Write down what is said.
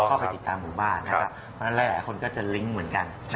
เข้าไปติดตามหมู่บ้านและหลายคนก็จะติดตั้งเหมือนกัน